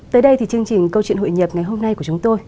tới đây thì chương trình câu chuyện hội nhập ngày hôm nay của chúng tôi